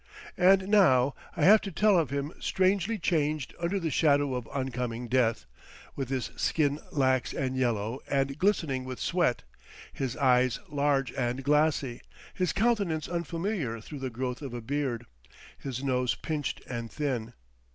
And now I have to tell of him strangely changed under the shadow of oncoming death, with his skin lax and yellow and glistening with sweat, his eyes large and glassy, his countenance unfamiliar through the growth of a beard, his nose pinched and thin.